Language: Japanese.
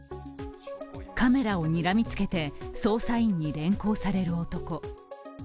カメラをにらみつけて捜査員に連行される男。